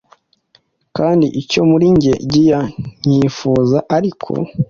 Kandi icyo muri njye gia nkicyifuza, ariko